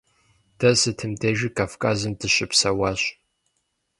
Дэ сытым дежи Кавказым дыщыпсэуащ.